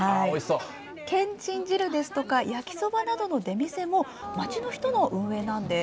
けんちん汁ですとか、焼きそばなどの出店も、町の人の運営なんです。